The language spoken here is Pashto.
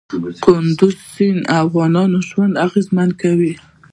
کندز سیند د افغانانو ژوند اغېزمن کوي.